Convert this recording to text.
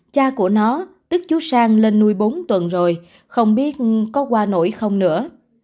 cha của nó tức chú sang lên nuôi bốn tuần rồi không biết có qua nổi không nữa